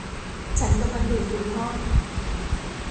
ฉันกำลังดูดฝุ่นห้อง